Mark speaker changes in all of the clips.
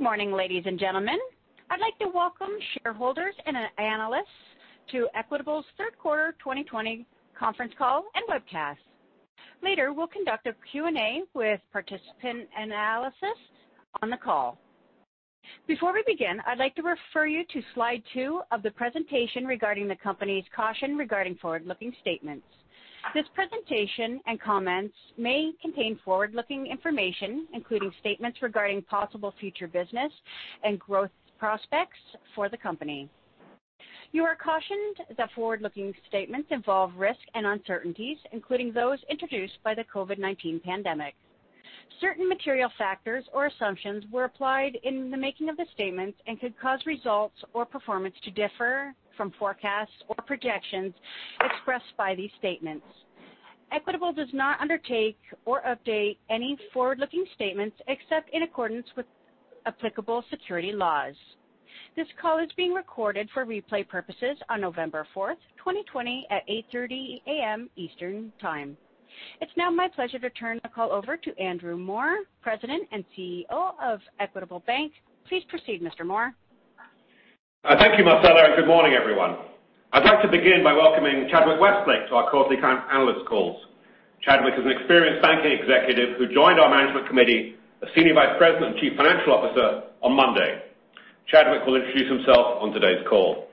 Speaker 1: Good morning, ladies and gentlemen. I'd like to welcome shareholders and analysts to Equitable's third quarter 2020 conference call and webcast. Later, we'll conduct a Q&A with participants and analysts on the call. Before we begin, I'd like to refer you to slide two of the presentation regarding the company's caution regarding forward-looking statements. This presentation and comments may contain forward-looking information, including statements regarding possible future business and growth prospects for the company. You are cautioned that forward-looking statements involve risk and uncertainties, including those introduced by the COVID-19 pandemic. Certain material factors or assumptions were applied in the making of the statements and could cause results or performance to differ from forecasts or projections expressed by these statements. Equitable does not undertake or update any forward-looking statements except in accordance with applicable securities laws. This call is being recorded for replay purposes on November 4th, 2020, at 8:30 A.M. Eastern Time. It's now my pleasure to turn the call over to Andrew Moor, President and CEO of Equitable Bank. Please proceed, Mr. Moor.
Speaker 2: Thank you, Marcella. Good morning, everyone. I'd like to begin by welcoming Chadwick Westlake to our quarterly analyst calls. Chadwick is an experienced banking executive who joined our management committee as Senior Vice President and Chief Financial Officer on Monday. Chadwick will introduce himself on today's call.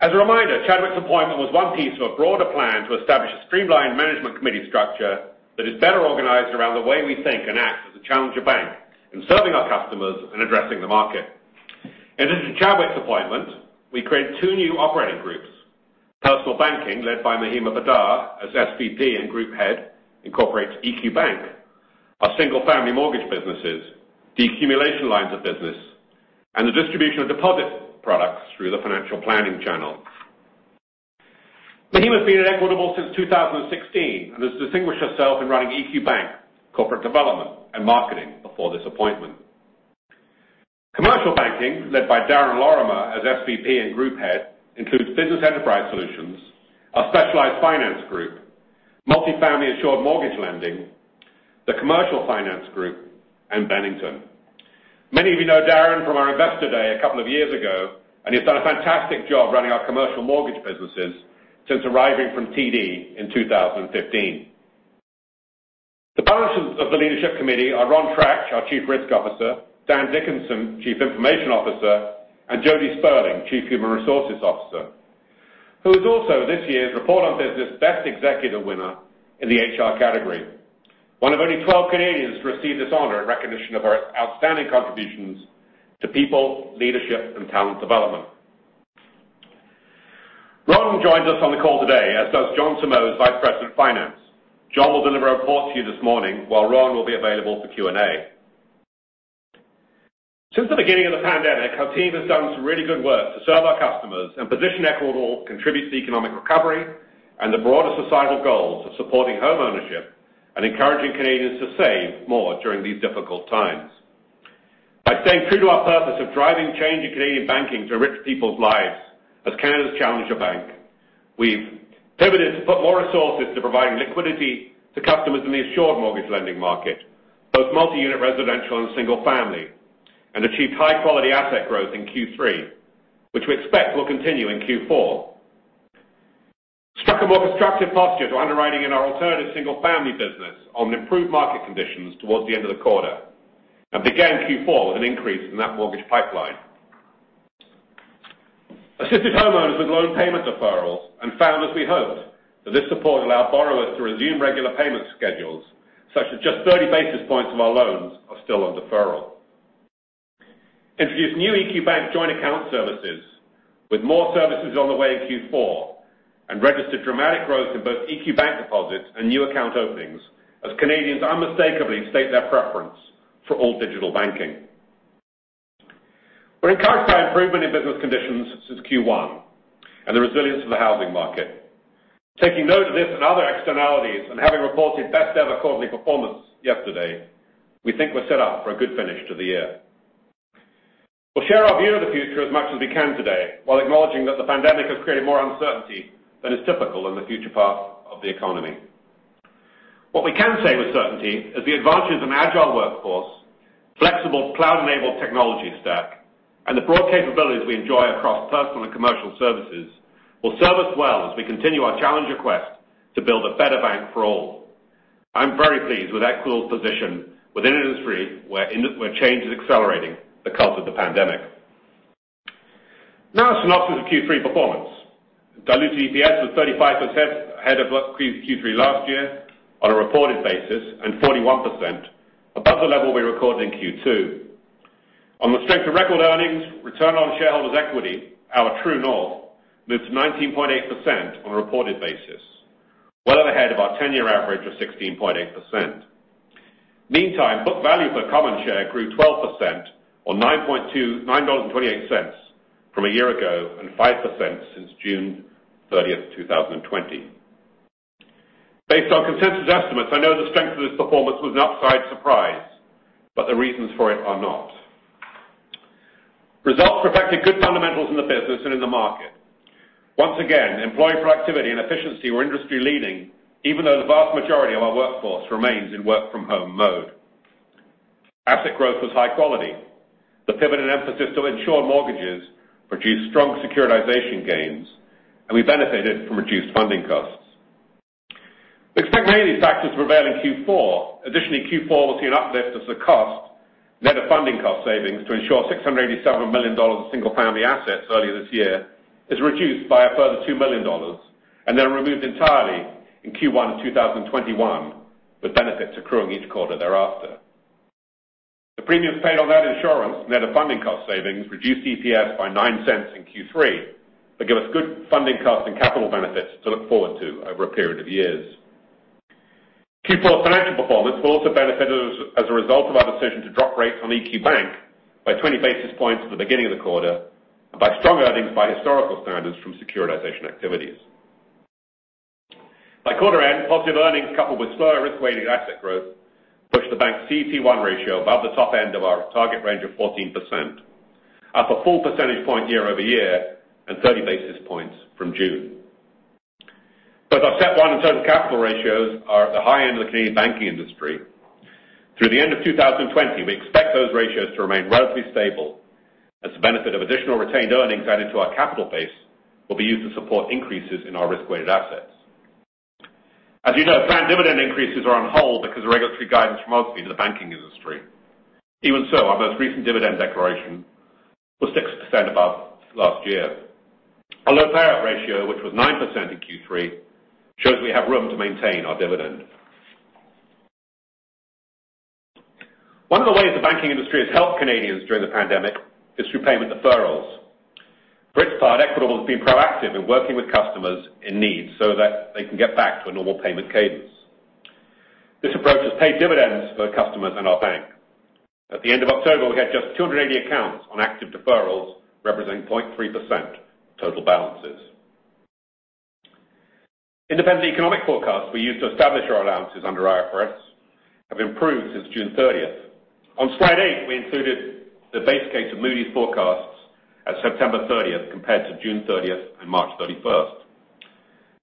Speaker 2: As a reminder, Chadwick's appointment was one piece of a broader plan to establish a streamlined management committee structure that is better organized around the way we think and act as a challenger bank in serving our customers and addressing the market. In addition to Chadwick's appointment, we created two new operating groups. Personal Banking, led by Mahima Poddar as SVP and Group Head, incorporates EQ Bank, our single-family mortgage businesses, the accumulation lines of business, and the distribution of deposit products through the financial planning channel. Mahima's been at Equitable since 2016 and has distinguished herself in running EQ Bank, corporate development, and marketing before this appointment. Commercial Banking, led by Darren Lorimer as SVP and Group Head, includes Business Enterprise Solutions, our specialized finance group, multi-family insured mortgage lending, the commercial finance group, and Bennington. Many of you know Darren from our investor day a couple of years ago, and he's done a fantastic job running our commercial mortgage businesses since arriving from TD in 2015. The balance of the leadership committee are Ron Tratch, our Chief Risk Officer, Dan Dickinson, Chief Information Officer, and Jody Sperling, Chief Human Resources Officer, who is also this year's Report on Business Best Executive winner in the HR category. One of only 12 Canadians to receive this honor in recognition of her outstanding contributions to people, leadership, and talent development. Ron joins us on the call today, as does John Simoes, Vice President of Finance. John will deliver a report to you this morning, while Ron will be available for Q&A. Since the beginning of the pandemic, our team has done some really good work to serve our customers and position Equitable to contribute to the economic recovery and the broader societal goals of supporting homeownership and encouraging Canadians to save more during these difficult times. By staying true to our purpose of driving change in Canadian banking to enrich people's lives as Canada's challenger bank, we've pivoted to put more resources to providing liquidity to customers in the assured mortgage lending market, both multi-unit residential and single-family, and achieved high-quality asset growth in Q3, which we expect will continue in Q4. Struck a more constructive posture to underwriting in our alternative single-family business on improved market conditions towards the end of the quarter and began Q4 with an increase in that mortgage pipeline. Assisted homeowners with loan payment deferrals and found, as we hoped, that this support allowed borrowers to resume regular payment schedules, such as just 30 basis points of our loans are still on deferral. Introduced new EQ Bank joint account services with more services on the way in Q4 and registered dramatic growth in both EQ Bank deposits and new account openings as Canadians unmistakably state their preference for all digital banking. We're encouraged by improvement in business conditions since Q1 and the resilience of the housing market. Taking note of this and other externalities and having reported best-ever quarterly performance yesterday, we think we're set up for a good finish to the year. We'll share our view of the future as much as we can today while acknowledging that the pandemic has created more uncertainty than is typical in the future path of the economy. What we can say with certainty is the advantages of an agile workforce, flexible cloud-enabled technology stack, and the broad capabilities we enjoy across personal and commercial services will serve us well as we continue our challenger quest to build a better bank for all. I'm very pleased with Equitable's position within an industry where change is accelerating because of the pandemic. Now, a synopsis of Q3 performance. Diluted EPS was 35% ahead of Q3 last year on a reported basis and 41% above the level we recorded in Q2. On the strength of record earnings, return on shareholders' equity, our true north, moved to 19.8% on a reported basis, well ahead of our 10-year average of 16.8%. Meantime, book value per common share grew 12% or $9.28 from a year ago and 5% since June 30th, 2020. Based on consensus estimates, I know the strength of this performance was an upside surprise, but the reasons for it are not. Results reflected good fundamentals in the business and in the market. Once again, employee productivity and efficiency were industry-leading, even though the vast majority of our workforce remains in work-from-home mode. Asset growth was high quality. The pivot and emphasis to insured mortgages produced strong securitization gains, and we benefited from reduced funding costs. We expect many of these factors to prevail in Q4. Additionally, Q4 will see an uplift of the cost, net of funding cost savings, to ensure 687 million dollars of single-family assets earlier this year is reduced by a further 2 million dollars and then removed entirely in Q1 of 2021, with benefits accruing each quarter thereafter. The premiums paid on that insurance, net of funding cost savings, reduced EPS by 0.09 in Q3, but give us good funding costs and capital benefits to look forward to over a period of years. Q4 financial performance will also benefit as a result of our decision to drop rates on EQ Bank by 20 basis points at the beginning of the quarter and by strong earnings by historical standards from securitization activities. By quarter end, positive earnings coupled with slower risk-weighted asset growth pushed the bank's CET1 ratio above the top end of our target range of 14%, up a full percentage point year over year and 30 basis points from June. Both our Tier 1 and total capital ratios are at the high end of the Canadian banking industry. Through the end of 2020, we expect those ratios to remain relatively stable as the benefit of additional retained earnings added to our capital base will be used to support increases in our risk-weighted assets. As you know, planned dividend increases are on hold because of regulatory guidance from OSFI to the banking industry. Even so, our most recent dividend declaration was 6% above last year. Our low payout ratio, which was 9% in Q3, shows we have room to maintain our dividend. One of the ways the banking industry has helped Canadians during the pandemic is through payment deferrals. For its part, Equitable has been proactive in working with customers in need so that they can get back to a normal payment cadence. This approach has paid dividends for customers and our bank. At the end of October, we had just 280 accounts on active deferrals, representing 0.3% total balances. Independent economic forecasts we used to establish our allowances under IFRS have improved since June 30th. On slide eight, we included the base case of Moody's forecasts as September 30th compared to June 30th and March 31st.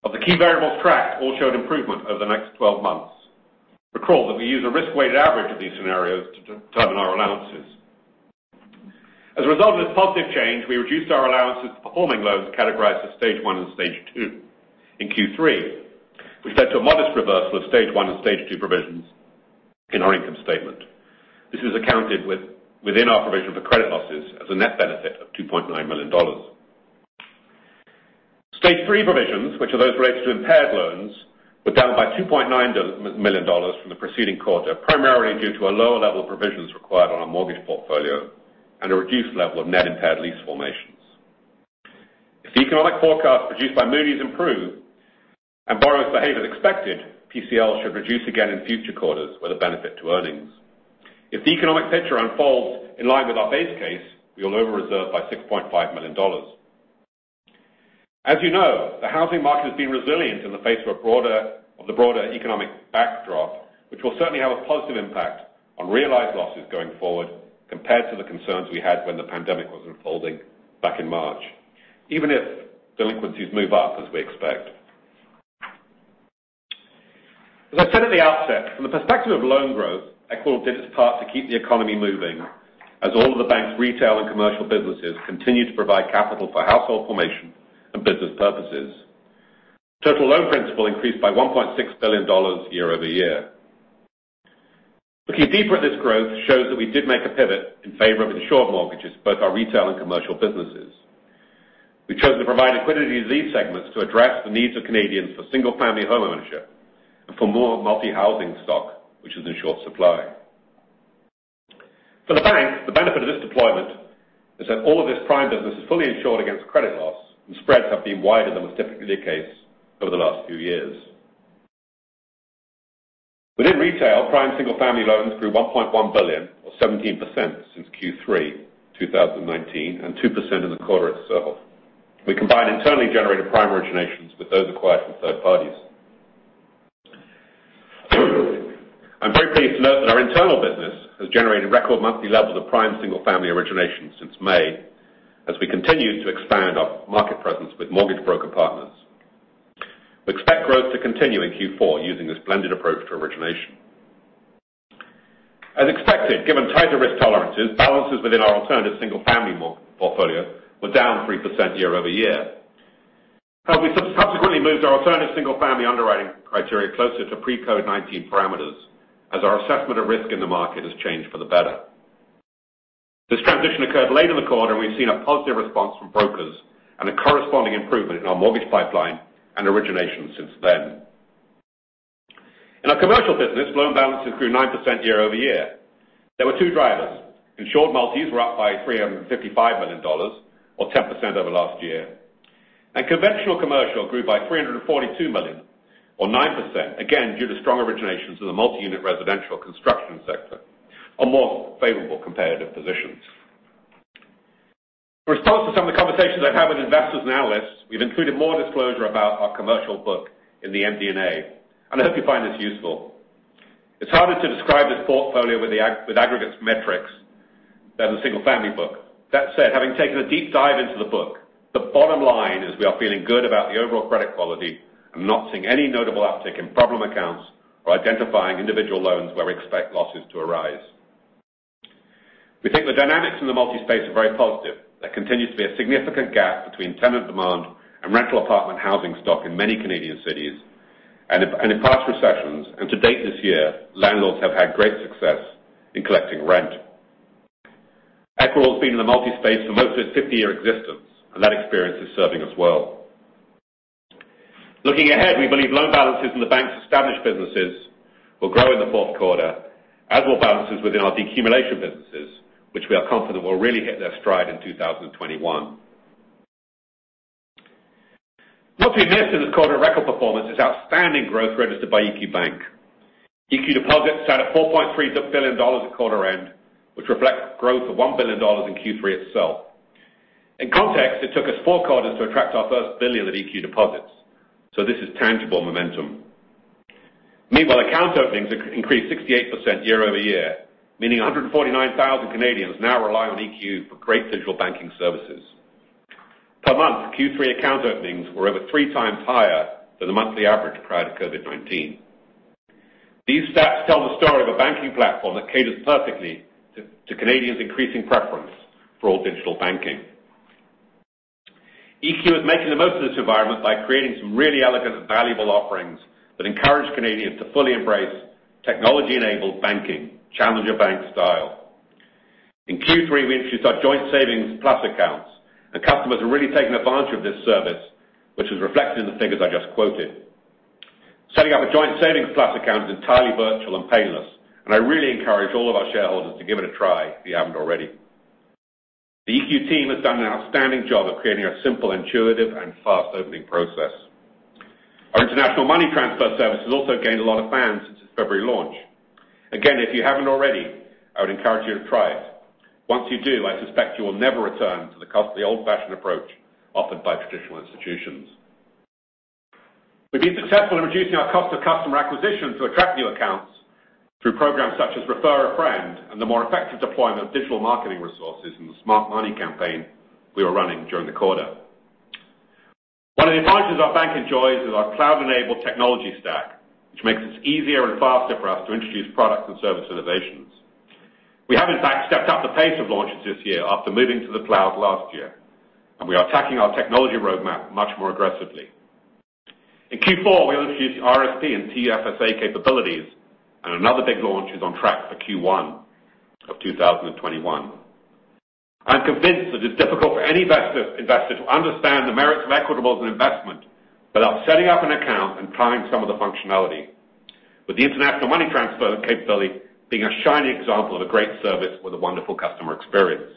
Speaker 2: Of the key variables tracked, all showed improvement over the next 12 months. Recall that we use a risk-weighted average of these scenarios to determine our allowances. As a result of this positive change, we reduced our allowances to performing loans categorized as Stage 1 and Stage 2 in Q3, which led to a modest reversal of Stage 1 and Stage 2 provisions in our income statement. This is accounted within our provision for credit losses as a net benefit of 2.9 million dollars. Stage 3 provisions, which are those related to impaired loans, were down by 2.9 million dollars from the preceding quarter, primarily due to a lower level of provisions required on our mortgage portfolio and a reduced level of net impaired lease formations. If the economic forecast produced by Moody's improves and borrowers' behavior is expected, PCL should reduce again in future quarters with a benefit to earnings. If the economic picture unfolds in line with our base case, we will over-reserve by 6.5 million dollars. As you know, the housing market has been resilient in the face of the broader economic backdrop, which will certainly have a positive impact on realized losses going forward compared to the concerns we had when the pandemic was unfolding back in March, even if delinquencies move up as we expect. As I said at the outset, from the perspective of loan growth, Equitable did its part to keep the economy moving as all of the bank's retail and commercial businesses continued to provide capital for household formation and business purposes. Total loan principal increased by 1.6 billion dollars year over year. Looking deeper at this growth shows that we did make a pivot in favor of insured mortgages for both our retail and commercial businesses. We chose to provide equity to these segments to address the needs of Canadians for single-family homeownership and for more multi-housing stock, which is in short supply. For the bank, the benefit of this deployment is that all of this prime business is fully insured against credit loss, and spreads have been wider than was typically the case over the last few years. Within retail, prime single-family loans grew 1.1 billion, or 17%, since Q3 2019 and 2% in the quarter itself. We combined internally generated prime originations with those acquired from third parties. I'm very pleased to note that our internal business has generated record monthly levels of prime single-family origination since May as we continue to expand our market presence with mortgage broker partners. We expect growth to continue in Q4 using this blended approach to origination. As expected, given tighter risk tolerances, balances within our alternative single-family portfolio were down 3% year over year. We subsequently moved our alternative single-family underwriting criteria closer to pre-COVID-19 parameters as our assessment of risk in the market has changed for the better. This transition occurred late in the quarter, and we've seen a positive response from brokers and a corresponding improvement in our mortgage pipeline and origination since then. In our commercial business, loan balances grew 9% year over year. There were two drivers. Insured multis were up by 355 million dollars, or 10% over last year. And conventional commercial grew by 342 million, or 9%, again due to strong originations in the multi-unit residential construction sector, a more favorable comparative position. In response to some of the conversations I've had with investors and analysts, we've included more disclosure about our commercial book in the MD&A, and I hope you find this useful. It's harder to describe this portfolio with aggregate metrics than the single-family book. That said, having taken a deep dive into the book, the bottom line is we are feeling good about the overall credit quality and not seeing any notable uptick in problem accounts or identifying individual loans where we expect losses to arise. We think the dynamics in the multi-space are very positive. There continues to be a significant gap between tenant demand and rental apartment housing stock in many Canadian cities, and in past recessions, and to date this year, landlords have had great success in collecting rent. Equitable has been in the multi-space for most of its 50-year existence, and that experience is serving us well. Looking ahead, we believe loan balances in the bank's established businesses will grow in the fourth quarter, as will balances within our decumulation businesses, which we are confident will really hit their stride in 2021. What we missed in this quarter of record performance is outstanding growth registered by EQ Bank. EQ deposits added 4.3 billion dollars at quarter end, which reflects growth of 1 billion dollars in Q3 itself. In context, it took us four quarters to attract our first 1 billion of EQ deposits, so this is tangible momentum. Meanwhile, account openings increased 68% year over year, meaning 149,000 Canadians now rely on EQ for great digital banking services. Per month, Q3 account openings were over three times higher than the monthly average prior to COVID-19. These stats tell the story of a banking platform that caters perfectly to Canadians' increasing preference for all digital banking. EQ is making the most of this environment by creating some really elegant and valuable offerings that encourage Canadians to fully embrace technology-enabled banking, challenger bank style. In Q3, we introduced our Joint Savings Plus accounts, and customers have really taken advantage of this service, which is reflected in the figures I just quoted. Setting up a Joint Savings Plus account is entirely virtual and painless, and I really encourage all of our shareholders to give it a try if you haven't already. The EQ team has done an outstanding job of creating a simple, intuitive, and fast opening process. Our International Money Transfer service has also gained a lot of fans since its February launch. Again, if you haven't already, I would encourage you to try it. Once you do, I suspect you will never return to the costly old-fashioned approach offered by traditional institutions. We've been successful in reducing our cost of customer acquisition to attract new accounts through programs such as Refer a Friend and the more effective deployment of digital marketing resources in the Smart Money campaign we were running during the quarter. One of the advantages our bank enjoys is our cloud-enabled technology stack, which makes it easier and faster for us to introduce product and service innovations. We have, in fact, stepped up the pace of launches this year after moving to the cloud last year, and we are attacking our technology roadmap much more aggressively. In Q4, we will introduce RRSP and TFSA capabilities, and another big launch is on track for Q1 of 2021. I'm convinced that it's difficult for any investor to understand the merits of Equitable as an investment without setting up an account and trying some of the functionality, with the international money transfer capability being a shining example of a great service with a wonderful customer experience.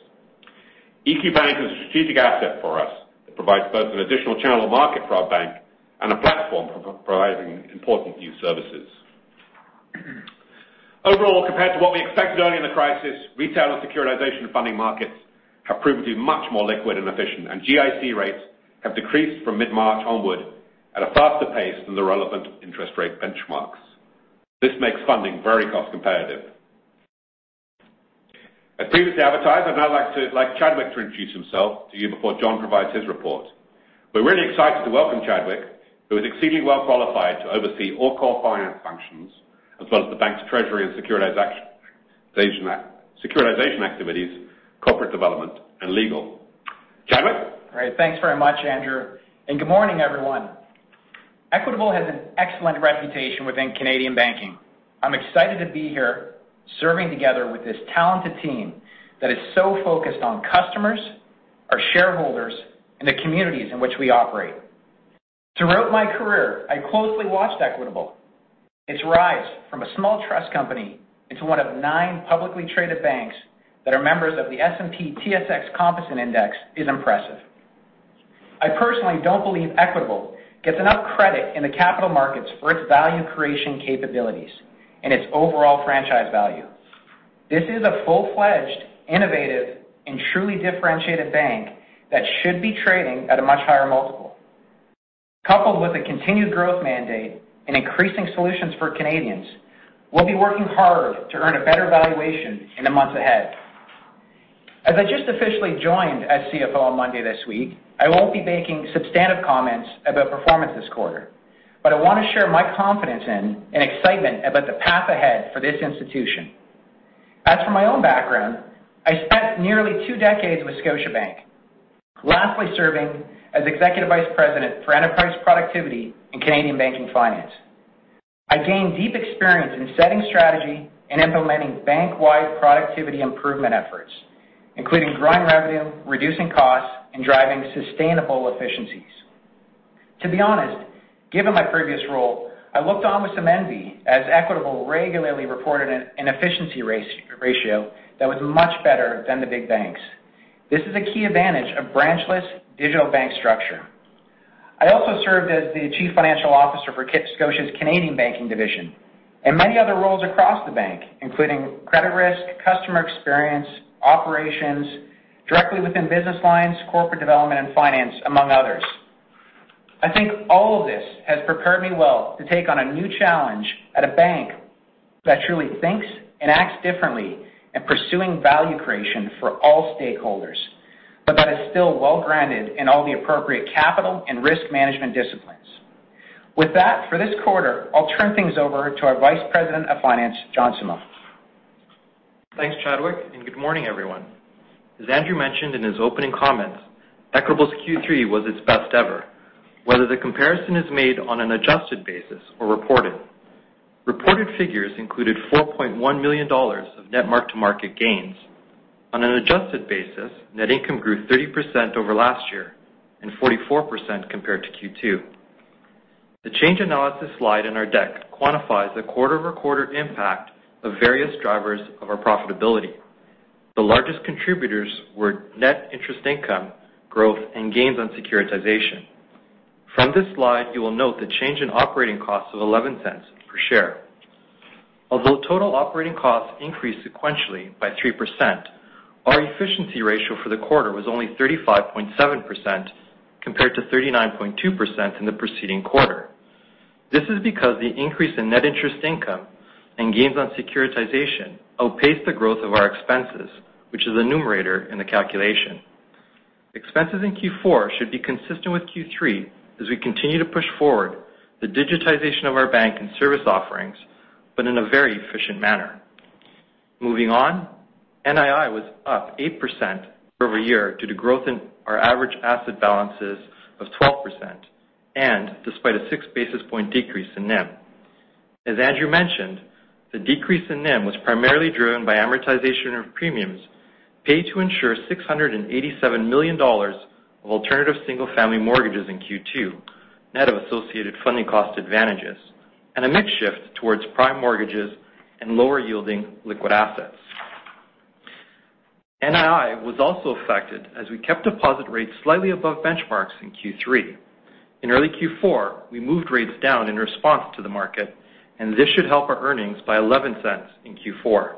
Speaker 2: EQ Bank is a strategic asset for us that provides both an additional channel of market for our bank and a platform for providing important new services. Overall, compared to what we expected earlier in the crisis, retail and securitization funding markets have proven to be much more liquid and efficient, and GIC rates have decreased from mid-March onward at a faster pace than the relevant interest rate benchmarks. This makes funding very cost-competitive. As previously advertised, I'd now like Chadwick to introduce himself to you before John provides his report. We're really excited to welcome Chadwick, who is exceedingly well qualified to oversee all core finance functions, as well as the bank's treasury and securitization activities, corporate development, and legal. Chadwick?
Speaker 3: Great. Thanks very much, Andrew, and good morning, everyone. Equitable has an excellent reputation within Canadian banking. I'm excited to be here serving together with this talented team that is so focused on customers, our shareholders, and the communities in which we operate. Throughout my career, I closely watched Equitable. Its rise from a small trust company into one of nine publicly traded banks that are members of the S&P/TSX Composite Index is impressive. I personally don't believe Equitable gets enough credit in the capital markets for its value creation capabilities and its overall franchise value. This is a full-fledged, innovative, and truly differentiated bank that should be trading at a much higher multiple. Coupled with a continued growth mandate and increasing solutions for Canadians, we'll be working hard to earn a better valuation in the months ahead. As I just officially joined as CFO on Monday this week, I won't be making substantive comments about performance this quarter, but I want to share my confidence in and excitement about the path ahead for this institution. As for my own background, I spent nearly two decades with Scotiabank, lastly serving as Executive Vice President for Enterprise Productivity and Canadian Banking Finance. I gained deep experience in setting strategy and implementing bank-wide productivity improvement efforts, including growing revenue, reducing costs, and driving sustainable efficiencies. To be honest, given my previous role, I looked on with some envy as Equitable regularly reported an efficiency ratio that was much better than the big banks. This is a key advantage of branchless digital bank structure. I also served as the Chief Financial Officer for Scotiabank's Canadian Banking Division and many other roles across the bank, including credit risk, customer experience, operations, directly within business lines, corporate development, and finance, among others. I think all of this has prepared me well to take on a new challenge at a bank that truly thinks and acts differently in pursuing value creation for all stakeholders, but that is still well grounded in all the appropriate capital and risk management disciplines. With that, for this quarter, I'll turn things over to our Vice President of Finance, John Simoes.
Speaker 4: Thanks, Chadwick, and good morning, everyone. As Andrew mentioned in his opening comments, Equitable's Q3 was its best ever, whether the comparison is made on an adjusted basis or reported. Reported figures included 4.1 million dollars of net mark-to-market gains. On an adjusted basis, net income grew 30% over last year and 44% compared to Q2. The change analysis slide in our deck quantifies the quarter-over-quarter impact of various drivers of our profitability. The largest contributors were net interest income, growth, and gains on securitization. From this slide, you will note the change in operating costs of 0.11 per share. Although total operating costs increased sequentially by 3%, our efficiency ratio for the quarter was only 35.7% compared to 39.2% in the preceding quarter. This is because the increase in net interest income and gains on securitization outpaced the growth of our expenses, which is the numerator in the calculation. Expenses in Q4 should be consistent with Q3 as we continue to push forward the digitization of our bank and service offerings, but in a very efficient manner. Moving on, NII was up 8% year over year due to growth in our average asset balances of 12% and despite a 6 basis points decrease in NIM. As Andrew mentioned, the decrease in NIM was primarily driven by amortization of premiums paid to insure 687 million dollars of alternative single-family mortgages in Q2, net of associated funding cost advantages, and a mixed shift towards prime mortgages and lower-yielding liquid assets. NII was also affected as we kept deposit rates slightly above benchmarks in Q3. In early Q4, we moved rates down in response to the market, and this should help our earnings by 0.11 in Q4.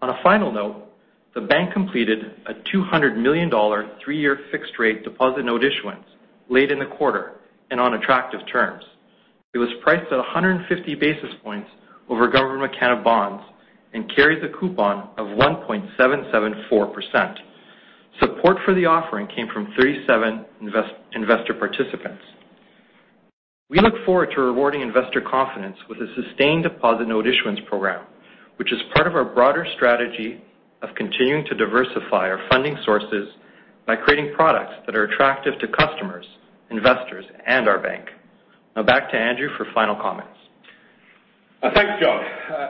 Speaker 4: On a final note, the bank completed a 200 million dollar three-year fixed-rate deposit note issuance late in the quarter and on attractive terms. It was priced at 150 basis points over Government of Canada bonds and carries a coupon of 1.774%. Support for the offering came from 37 investor participants. We look forward to rewarding investor confidence with a sustained deposit note issuance program, which is part of our broader strategy of continuing to diversify our funding sources by creating products that are attractive to customers, investors, and our bank. Now, back to Andrew for final comments.
Speaker 2: Thanks, John.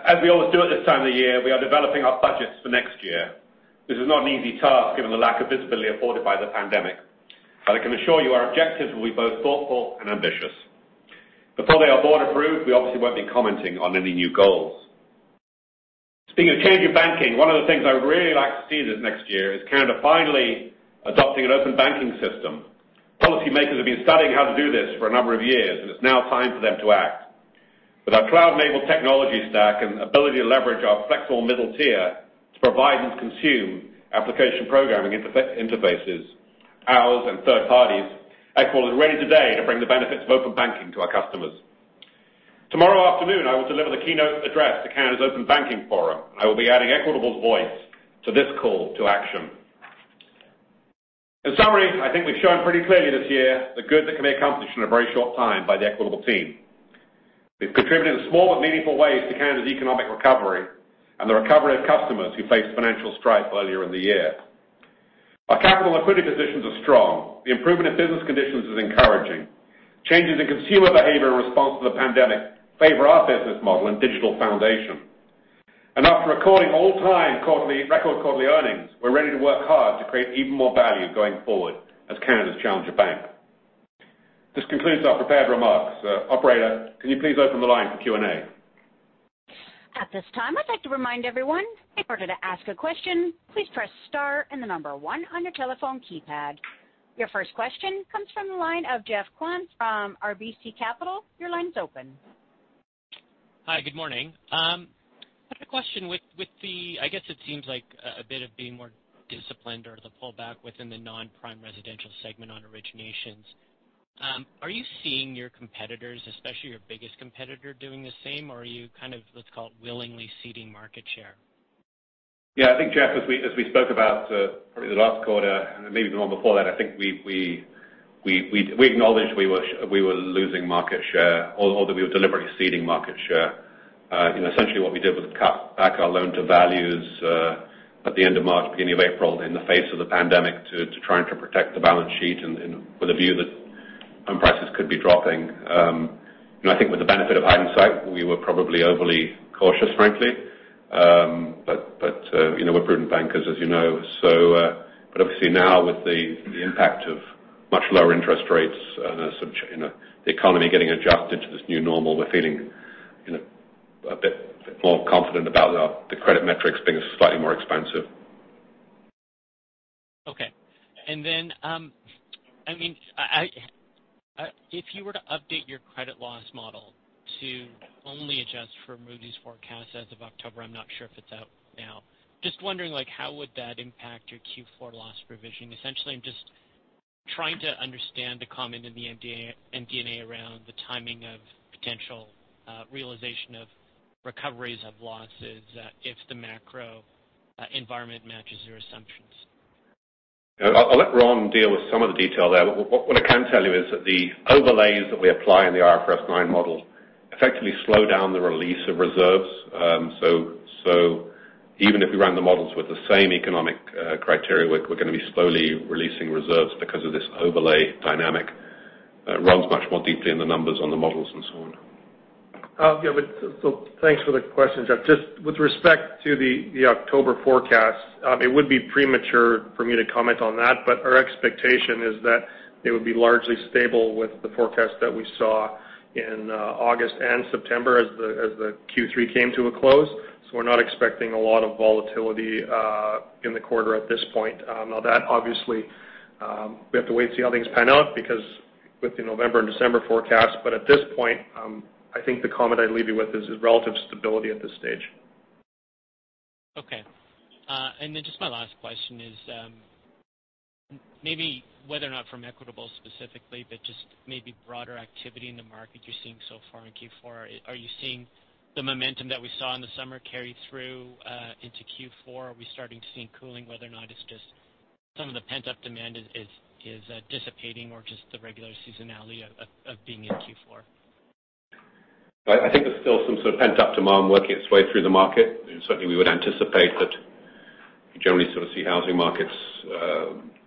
Speaker 2: As we always do at this time of the year, we are developing our budgets for next year. This is not an easy task given the lack of visibility afforded by the pandemic, but I can assure you our objectives will be both thoughtful and ambitious. Before they are board-approved, we obviously won't be commenting on any new goals. Speaking of change in banking, one of the things I would really like to see this next year is Canada finally adopting an open banking system. Policymakers have been studying how to do this for a number of years, and it's now time for them to act. With our cloud-enabled technology stack and ability to leverage our flexible middle tier to provide and consume application programming interfaces, ours and third parties, Equitable is ready today to bring the benefits of open banking to our customers. Tomorrow afternoon, I will deliver the keynote address to Canada's Open Banking Forum, and I will be adding Equitable's voice to this call to action. In summary, I think we've shown pretty clearly this year the good that can be accomplished in a very short time by the Equitable team. We've contributed in small but meaningful ways to Canada's economic recovery and the recovery of customers who faced financial strife earlier in the year. Our capital and liquidity positions are strong. The improvement in business conditions is encouraging. Changes in consumer behavior in response to the pandemic favor our business model and digital foundation and after recording all-time record quarterly earnings, we're ready to work hard to create even more value going forward as Canada's challenger bank. This concludes our prepared remarks. Operator, can you please open the line for Q&A?
Speaker 1: At this time, I'd like to remind everyone, in order to ask a question, please press star and the number one on your telephone keypad. Your first question comes from the line of Geoff Kwan from RBC Capital Markets. Your line is open.
Speaker 5: Hi, good morning. I had a question with the, I guess it seems like a bit of being more disciplined or the pullback within the non-prime residential segment on originations. Are you seeing your competitors, especially your biggest competitor, doing the same, or are you kind of, let's call it, willingly ceding market share?
Speaker 2: Yeah, I think, Jeff, as we spoke about probably the last quarter and maybe the one before that, I think we acknowledged we were losing market share or that we were deliberately ceding market share. Essentially, what we did was cut back our loan-to-values at the end of March, beginning of April, in the face of the pandemic to try and protect the balance sheet with a view that home prices could be dropping. And I think with the benefit of hindsight, we were probably overly cautious, frankly. But we're prudent bankers, as you know. But obviously now, with the impact of much lower interest rates and the economy getting adjusted to this new normal, we're feeling a bit more confident about the credit metrics being slightly more expansive.
Speaker 5: Okay. And then, I mean, if you were to update your credit loss model to only adjust for Moody's forecast as of October, I'm not sure if it's out now. Just wondering, how would that impact your Q4 loss provision? Essentially, I'm just trying to understand the comment in the MD&A around the timing of potential realization of recoveries of losses if the macro environment matches your assumptions.
Speaker 2: I'll let Ron deal with some of the detail there. What I can tell you is that the overlays that we apply in the IFRS 9 model effectively slow down the release of reserves. So even if we run the models with the same economic criteria, we're going to be slowly releasing reserves because of this overlay dynamic. Ron's much more deeply in the numbers on the models and so on.
Speaker 6: Yeah, so thanks for the question, Jeff. Just with respect to the October forecast, it would be premature for me to comment on that, but our expectation is that it would be largely stable with the forecast that we saw in August and September as the Q3 came to a close. So we're not expecting a lot of volatility in the quarter at this point. Now, that obviously, we have to wait and see how things pan out with the November and December forecasts. But at this point, I think the comment I'd leave you with is relative stability at this stage.
Speaker 5: Okay. And then just my last question is maybe whether or not from Equitable specifically, but just maybe broader activity in the market you're seeing so far in Q4. Are you seeing the momentum that we saw in the summer carry through into Q4? Are we starting to see cooling? Whether or not it's just some of the pent-up demand is dissipating or just the regular seasonality of being in Q4?
Speaker 2: I think there's still some sort of pent-up demand working its way through the market. Certainly, we would anticipate that we generally sort of see housing markets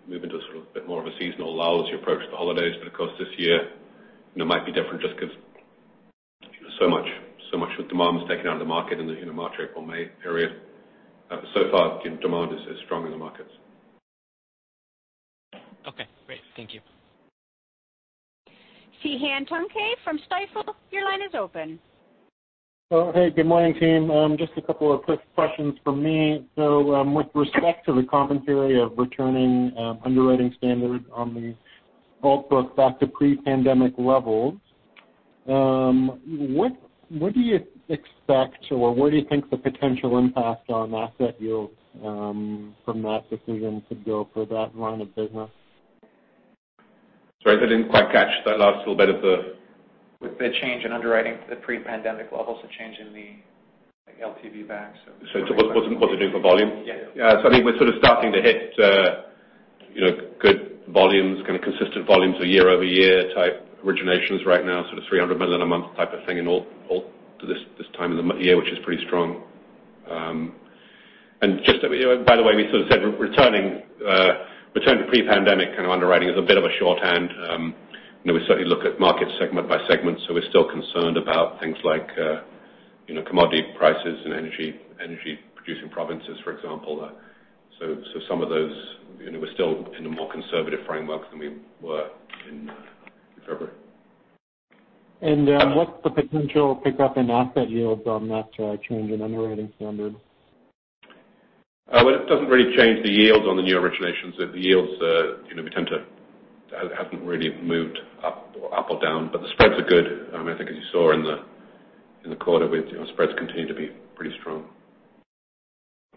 Speaker 2: move into a bit more of a seasonal lull as you approach the holidays. But of course, this year might be different just because so much of demand was taken out of the market in the March, April, May period. So far, demand is strong in the markets.
Speaker 5: Okay. Great. Thank you.
Speaker 1: Cihan Tuncay from Stifel, your line is open.
Speaker 7: Hey, good morning, team. Just a couple of quick questions for me. So with respect to the commentary of returning underwriting standards on the Altbook back to pre-pandemic levels, what do you expect or where do you think the potential impact on asset yields from that decision could go for that line of business?
Speaker 2: Sorry, I didn't quite catch that last little bit of the.
Speaker 3: With the change in underwriting to the pre-pandemic levels and changing the LTV back.
Speaker 2: So it's what to do for volume?
Speaker 3: Yeah.
Speaker 2: So I think we're sort of starting to hit good volumes, kind of consistent volumes of year-over-year type originations right now, sort of 300 million a month type of thing in this time of the year, which is pretty strong. And just by the way, we sort of said returning pre-pandemic kind of underwriting is a bit of a shorthand. We certainly look at markets segment by segment, so we're still concerned about things like commodity prices in energy-producing provinces, for example, so some of those, we're still in a more conservative framework than we were in February, and what's the potential pickup in asset yields on that change in underwriting standards, well, it doesn't really change the yields on the new originations. The yields we tend to hasn't really moved up or down, but the spreads are good. I think, as you saw in the quarter, with spreads continue to be pretty strong.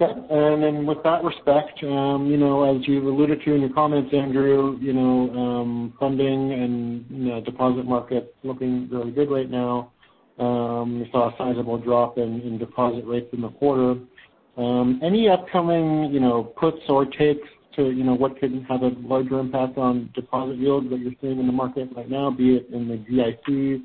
Speaker 7: Okay, and then in that respect, as you alluded to in your comments, Andrew, funding and deposit markets looking really good right now. We saw a sizable drop in deposit rates in the quarter. Any upcoming puts or takes to what could have a larger impact on deposit yields that you're seeing in the market right now, be it in the CDIC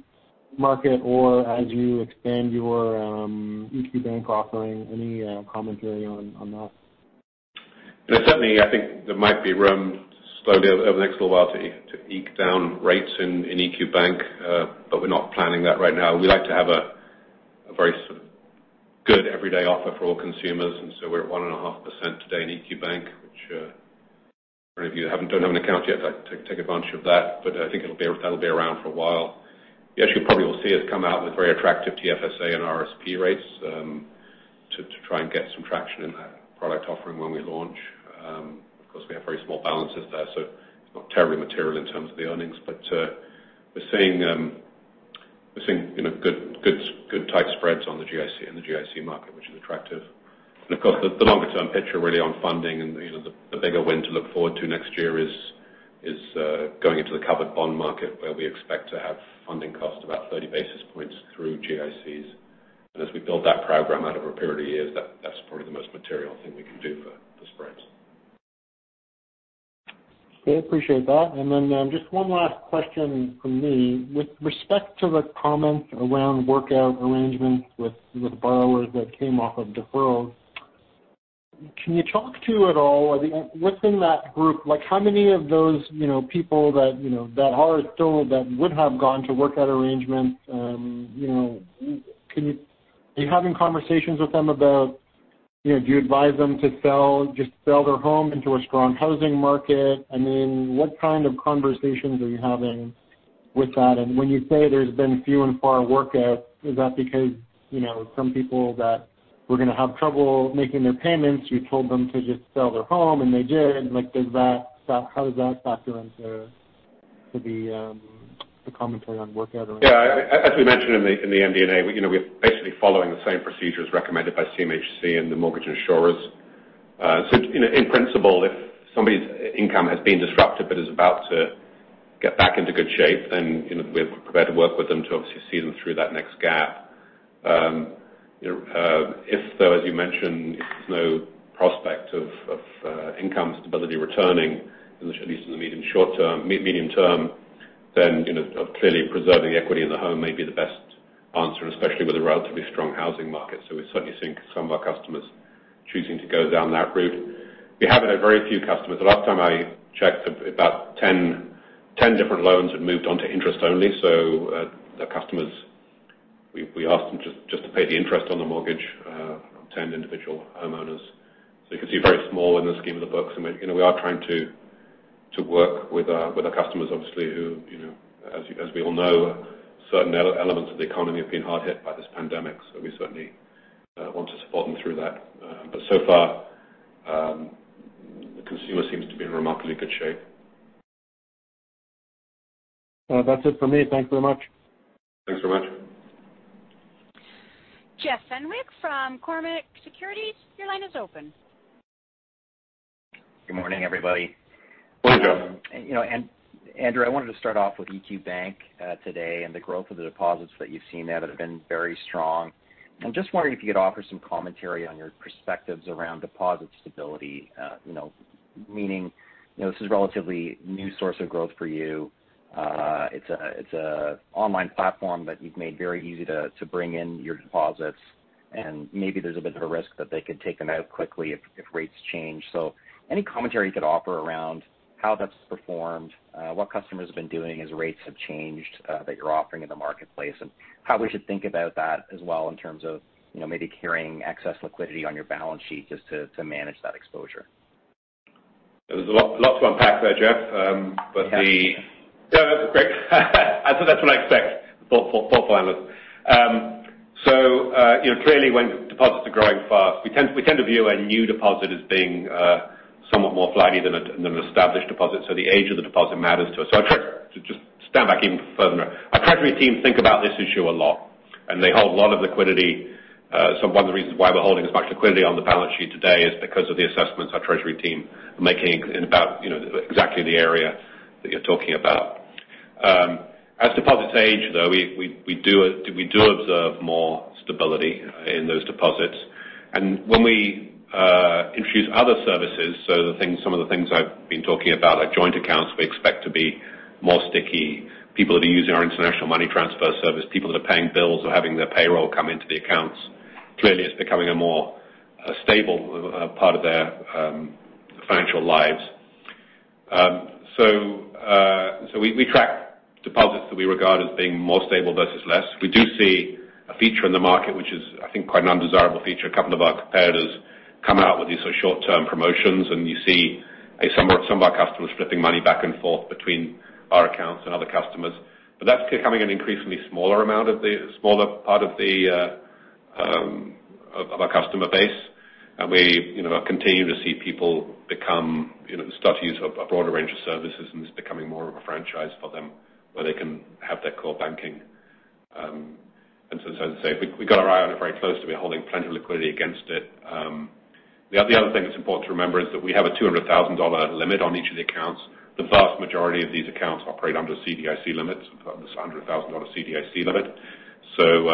Speaker 7: market or as you expand your EQ Bank offering? Any commentary on that?
Speaker 2: Certainly, I think there might be room slowly over the next little while to eke down rates in EQ Bank, but we're not planning that right now. We like to have a very good everyday offer for all consumers, and so we're at 1.5% today in EQ Bank, which if you don't have an account yet, take advantage of that. But I think that'll be around for a while. Yes, you probably will see us come out with very attractive TFSA and RSP rates to try and get some traction in that product offering when we launch. Of course, we have very small balances there, so not terribly material in terms of the earnings, but we're seeing good tight spreads on the GIC and the GIC market, which is attractive. And of course, the longer-term picture really on funding and the bigger win to look forward to next year is going into the covered bond market where we expect to have funding cost about 30 basis points through GICs. And as we build that program out over a period of years, that's probably the most material thing we can do for spreads.
Speaker 7: Okay. Appreciate that. And then just one last question from me. With respect to the comments around workout arrangements with borrowers that came off of deferrals, can you talk to at all, within that group, how many of those people that are still that would have gone to workout arrangements, are you having conversations with them about, do you advise them to just sell their home into a strong housing market? I mean, what kind of conversations are you having with that? And when you say there's been few and far workouts, is that because some people that were going to have trouble making their payments, you told them to just sell their home and they did? How does that factor into the commentary on workout?
Speaker 2: Yeah. As we mentioned in the MD&A, we're basically following the same procedures recommended by CMHC and the mortgage insurers. So in principle, if somebody's income has been disrupted but is about to get back into good shape, then we're prepared to work with them to obviously see them through that next gap. If, though, as you mentioned, there's no prospect of income stability returning, at least in the medium term, then clearly preserving the equity in the home may be the best answer, especially with a relatively strong housing market. So we're certainly seeing some of our customers choosing to go down that route. We have had very few customers. The last time I checked, about 10 different loans had moved on to interest only. So the customers, we asked them just to pay the interest on the mortgage from 10 individual homeowners. So you can see very small in the scheme of the books. We are trying to work with our customers, obviously, who, as we all know, certain elements of the economy have been hard hit by this pandemic. So we certainly want to support them through that. But so far, the consumer seems to be in remarkably good shape.
Speaker 7: That's it for me. Thanks very much.
Speaker 2: Thanks very much.
Speaker 1: Jeff Fenwick from Cormark Securities, your line is open.
Speaker 8: Good morning, everybody.
Speaker 2: Morning, Jeff.
Speaker 8: Andrew, I wanted to start off with EQ Bank today and the growth of the deposits that you've seen there that have been very strong. I'm just wondering if you could offer some commentary on your perspectives around deposit stability, meaning this is a relatively new source of growth for you. It's an online platform that you've made very easy to bring in your deposits, and maybe there's a bit of a risk that they could take them out quickly if rates change. So any commentary you could offer around how that's performed, what customers have been doing as rates have changed that you're offering in the marketplace, and how we should think about that as well in terms of maybe carrying excess liquidity on your balance sheet just to manage that exposure?
Speaker 2: There's a lot to unpack there, Jeff. Yeah, that's great. I thought that's what I expect for finance. So clearly, when deposits are growing fast, we tend to view a new deposit as being somewhat more flighty than an established deposit. So the age of the deposit matters to us. So I try to just stand back even further. Our treasury team thinks about this issue a lot, and they hold a lot of liquidity. So one of the reasons why we're holding as much liquidity on the balance sheet today is because of the assessments our treasury team are making in about exactly the area that you're talking about. As deposits age, though, we do observe more stability in those deposits. And when we introduce other services, so some of the things I've been talking about, like joint accounts, we expect to be more sticky. People that are using our international money transfer service, people that are paying bills or having their payroll come into the accounts, clearly, it's becoming a more stable part of their financial lives. So we track deposits that we regard as being more stable versus less. We do see a feature in the market, which is, I think, quite an undesirable feature. A couple of our competitors come out with these sort of short-term promotions, and you see some of our customers flipping money back and forth between our accounts and other customers, but that's becoming an increasingly smaller part of our customer base, and we continue to see people start to use a broader range of services, and it's becoming more of a franchise for them where they can have their core banking, and so we've got our eye on it very closely. We're holding plenty of liquidity against it. The other thing that's important to remember is that we have a 200,000 dollar limit on each of the accounts. The vast majority of these accounts operate under CDIC limits, under the CAD 100,000 CDIC limit, so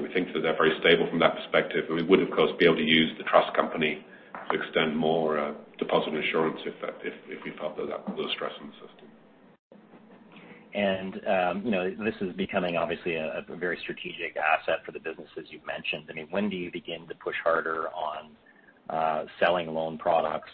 Speaker 2: we think that they're very stable from that perspective. And we would, of course, be able to use the trust company to extend more deposit insurance if we felt that there was stress in the system.
Speaker 8: And this is becoming, obviously, a very strategic asset for the businesses you've mentioned. I mean, when do you begin to push harder on selling loan products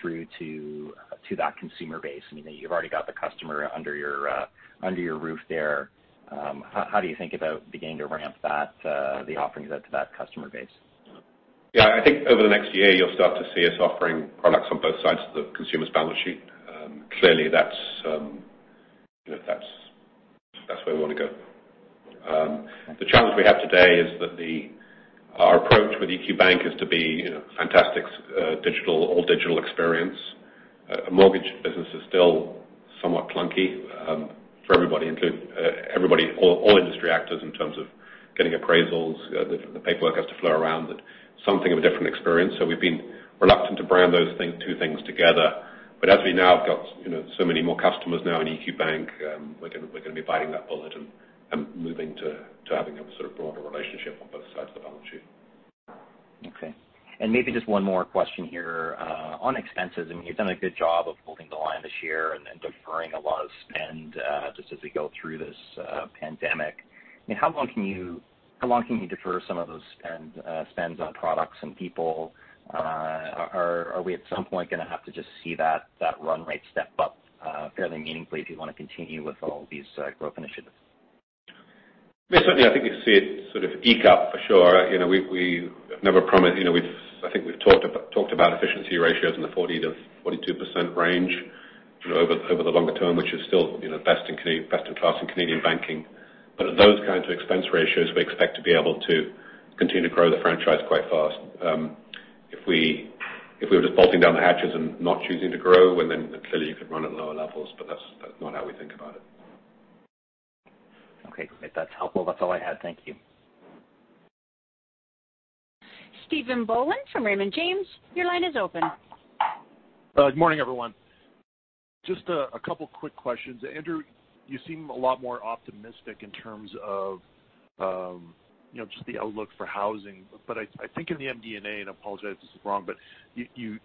Speaker 8: through to that consumer base? I mean, you've already got the customer under your roof there. How do you think about beginning to ramp the offerings out to that customer base?
Speaker 2: Yeah. I think over the next year, you'll start to see us offering products on both sides of the consumer's balance sheet. Clearly, that's where we want to go. The challenge we have today is that our approach with EQ Bank is to be fantastic digital or digital experience. Mortgage business is still somewhat clunky for everybody, all industry actors in terms of getting appraisals. The paperwork has to flow around. It's something of a different experience, so we've been reluctant to brand those two things together, but as we now have got so many more customers now in EQ Bank, we're going to be biting that bullet and moving to having a sort of broader relationship on both sides of the balance sheet.
Speaker 8: Okay, and maybe just one more question here on expenses. I mean, you've done a good job of holding the line this year and deferring a lot of spend just as we go through this pandemic. I mean, how long can you defer some of those spends on products and people? Are we at some point going to have to just see that run rate step up fairly meaningfully if you want to continue with all these growth initiatives?
Speaker 2: Certainly, I think you can see it sort of tick up for sure. We have never promised. I think we've talked about efficiency ratios in the 40%-42% range over the longer term, which is still best in class in Canadian banking. But those kinds of expense ratios, we expect to be able to continue to grow the franchise quite fast. If we were just bolting down the hatches and not choosing to grow, then clearly, you could run at lower levels, but that's not how we think about it.
Speaker 8: Okay. That's helpful. That's all I had. Thank you.
Speaker 1: Stephen Boland from Raymond James, your line is open.
Speaker 9: Good morning, everyone. Just a couple of quick questions. Andrew, you seem a lot more optimistic in terms of just the outlook for housing. But I think in the MD&A, and I apologize if this is wrong, but you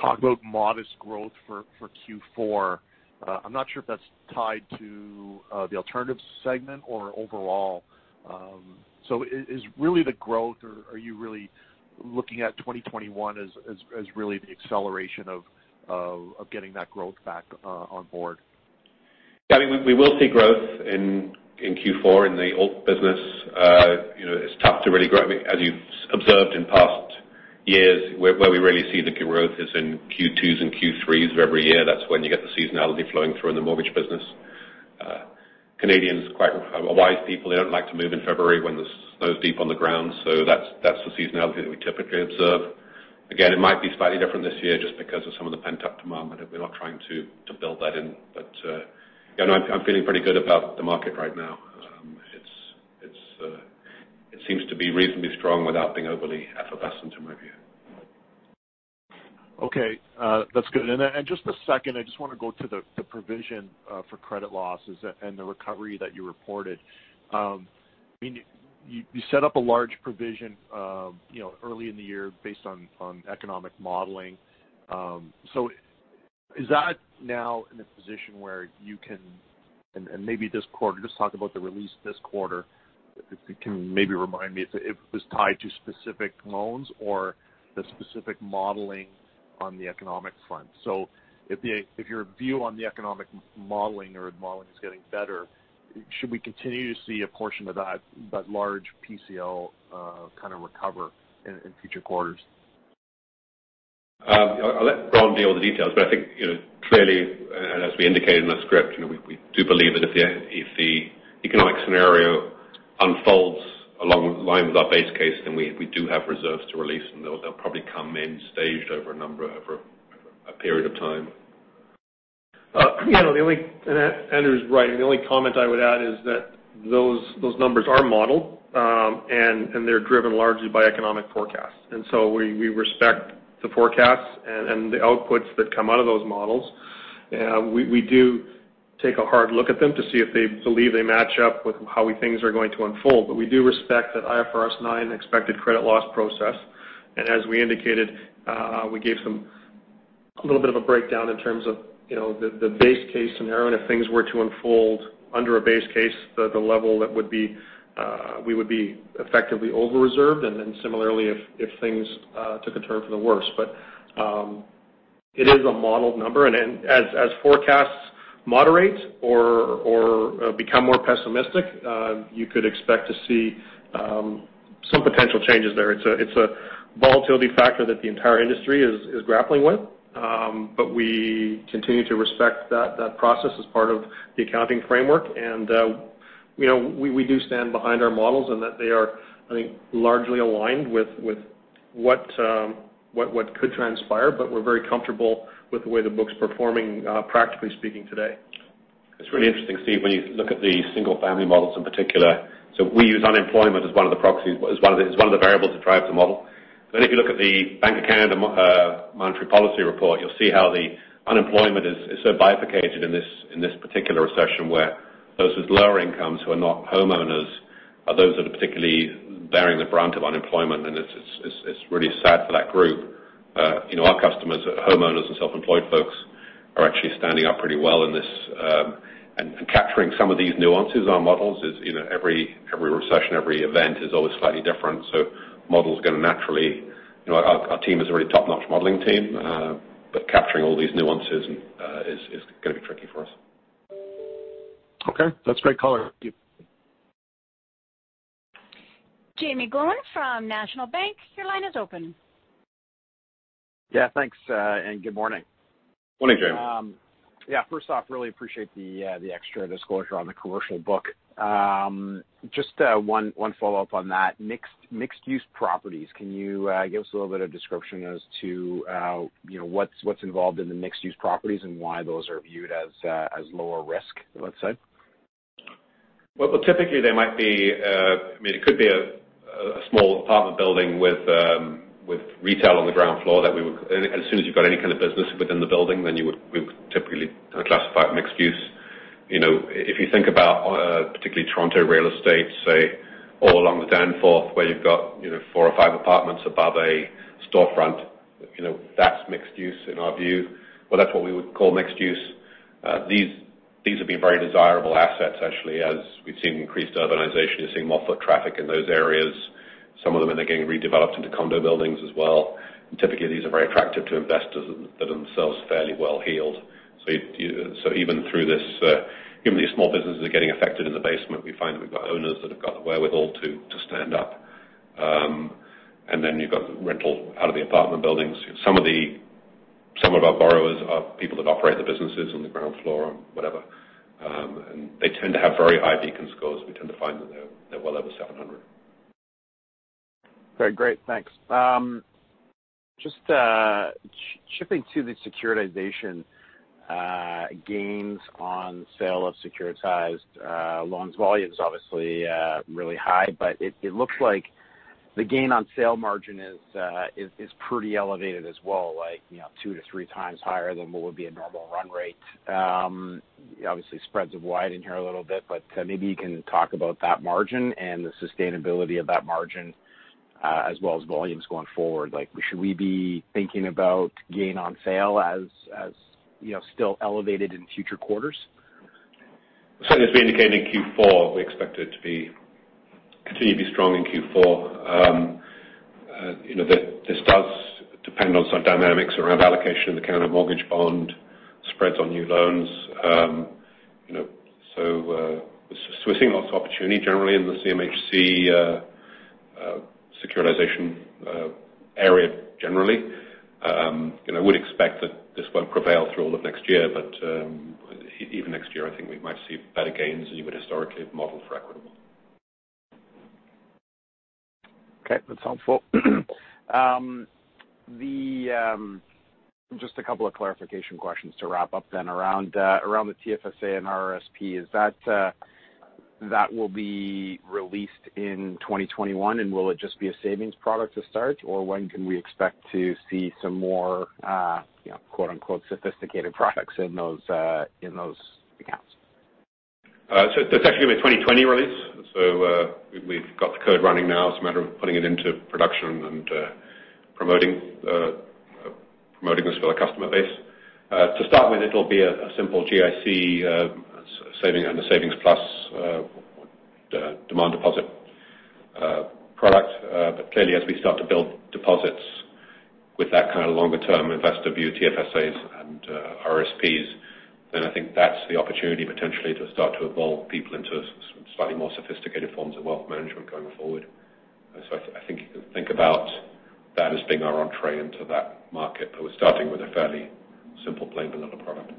Speaker 9: talk about modest growth for Q4. I'm not sure if that's tied to the alternative segment or overall. So is really the growth, or are you really looking at 2021 as really the acceleration of getting that growth back on board?
Speaker 2: Yeah. I mean, we will see growth in Q4 in the alt business. It's tough to really grow, as you've observed in past years, where we really see the growth is in Q2s and Q3s of every year. That's when you get the seasonality flowing through in the mortgage business. Canadians are quite wise people. They don't like to move in February when the snow's deep on the ground. So that's the seasonality that we typically observe. Again, it might be slightly different this year just because of some of the pent-up demand, but we're not trying to build that in. But yeah, no, I'm feeling pretty good about the market right now. It seems to be reasonably strong without being overly effervescent, in my view.
Speaker 9: Okay. That's good. And just a second, I just want to go to the provision for credit losses and the recovery that you reported. I mean, you set up a large provision early in the year based on economic modeling. So is that now in a position where you can, and maybe this quarter, just talk about the release this quarter, if you can maybe remind me if it was tied to specific loans or the specific modeling on the economic front. So if your view on the economic modeling or modeling is getting better, should we continue to see a portion of that large PCL kind of recover in future quarters?
Speaker 2: I'll let Ron deal with the details, but I think clearly, and as we indicated in our script, we do believe that if the economic scenario unfolds along the line with our base case, then we do have reserves to release, and they'll probably come in staged over a period of time.
Speaker 6: Yeah, and Andrew's right. The only comment I would add is that those numbers are modeled, and they're driven largely by economic forecasts, and so we respect the forecasts and the outputs that come out of those models. We do take a hard look at them to see if they believe they match up with how things are going to unfold, but we do respect that IFRS 9 expected credit loss process, and as we indicated, we gave them a little bit of a breakdown in terms of the base case scenario. And if things were to unfold under a base case, the level that we would be effectively over-reserved, and then similarly, if things took a turn for the worse. But it is a modeled number. And as forecasts moderate or become more pessimistic, you could expect to see some potential changes there. It's a volatility factor that the entire industry is grappling with, but we continue to respect that process as part of the accounting framework. And we do stand behind our models and that they are, I think, largely aligned with what could transpire, but we're very comfortable with the way the book's performing, practically speaking, today.
Speaker 2: It's really interesting, Steve, when you look at the single-family models in particular. So we use unemployment as one of the proxies. It's one of the variables that drives the model. But then if you look at the Bank of Canada monetary policy report, you'll see how the unemployment is so bifurcated in this particular recession where those with lower incomes who are not homeowners are those that are particularly bearing the brunt of unemployment, and it's really sad for that group. Our customers, homeowners and self-employed folks, are actually standing up pretty well in this, and capturing some of these nuances in our models is every recession, every event is always slightly different. So models are going to naturally. Our team is a really top-notch modeling team, but capturing all these nuances is going to be tricky for us.
Speaker 9: Okay. That's great color. Thank you.
Speaker 1: Jaeme Gloyn from National Bank Financial, your line is open.
Speaker 10: Yeah. Thanks, and good morning.
Speaker 2: Morning, Jaeme.
Speaker 10: Yeah. First off, really appreciate the extra disclosure on the commercial book. Just one follow-up on that: mixed-use properties. Can you give us a little bit of a description as to what's involved in the mixed-use properties and why those are viewed as lower risk, let's say?
Speaker 2: Well, typically, they might be. I mean, it could be a small apartment building with retail on the ground floor that we would, and as soon as you've got any kind of business within the building, then we would typically classify it as mixed-use. If you think about particularly Toronto real estate, say, all along the Danforth, where you've got four or five apartments above a storefront, that's mixed-use in our view. Well, that's what we would call mixed-use. These have been very desirable assets, actually, as we've seen increased urbanization. You're seeing more foot traffic in those areas. Some of them are getting redeveloped into condo buildings as well. And typically, these are very attractive to investors that are themselves fairly well-heeled. So even through this, even these small businesses are getting affected in the basement. We find that we've got owners that have got the wherewithal to stand up. And then you've got rental out of the apartment buildings. Some of our borrowers are people that operate the businesses on the ground floor or whatever. And they tend to have very high Beacon scores. We tend to find that they're well over 700.
Speaker 10: Okay. Great. Thanks. Just shifting to the securitization gains on sale of securitized loans, volume's obviously really high, but it looks like the gain on sale margin is pretty elevated as well, like two to three times higher than what would be a normal run rate. Obviously, spreads have widened here a little bit, but maybe you can talk about that margin and the sustainability of that margin as well as volumes going forward. Should we be thinking about gain on sale as still elevated in future quarters?
Speaker 2: Certainly, as we indicated in Q4, we expect it to continue to be strong in Q4. This does depend on some dynamics around allocation in the covered bond, spreads on new loans. So we're seeing lots of opportunity generally in the CMHC securitization area. I would expect that this won't prevail through all of next year, but even next year, I think we might see better gains than you would historically have modeled for Equitable.
Speaker 10: Okay. That's helpful. Just a couple of clarification questions to wrap up then around the TFSA and RRSP. Will that be released in 2021, and will it just be a savings product to start, or when can we expect to see some more "sophisticated" products in those accounts?
Speaker 2: It's actually going to be a 2020 release. So we've got the code running now. It's a matter of putting it into production and promoting this for the customer base. To start with, it'll be a simple GIC saving under Savings Plus demand deposit product. But clearly, as we start to build deposits with that kind of longer-term investor view, TFSAs and RRSPs, then I think that's the opportunity potentially to start to evolve people into slightly more sophisticated forms of wealth management going forward. So I think you can think about that as being our entrée into that market, but we're starting with a fairly simple plain vanilla product.